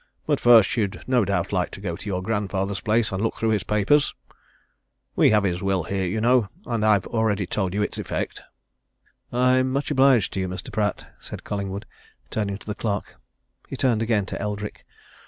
But first you'd no doubt like to go to your grandfather's place and look through his papers? We have his will here, you know and I've already told you its effect." "I'm much obliged to you, Mr. Pratt," said Collingwood, turning to the clerk. He turned again to Eldrick.